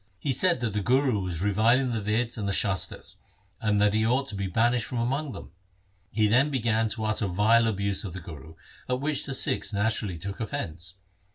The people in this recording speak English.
He said that the Guru was reviling the Veds and Shastars, and that he ought to be banished from among them. He then began to utter vile abuse of the Guru, at which the Sikhs naturally took offence.